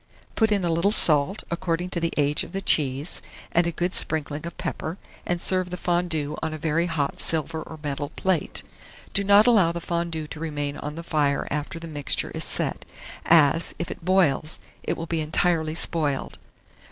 Put in a little salt, according to the age of the cheese, and a good sprinkling of pepper, and serve the fondue on a very hot silver or metal plate. Do not allow the fondue to remain on the fire after the mixture is set, as, if it boils, it will be entirely spoiled.